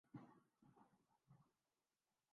اسے خود بھی پتہ تھا کہ وہ سچا ہے